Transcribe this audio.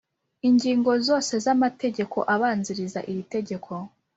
Ingingo zose z amategeko abanziriza iri tegeko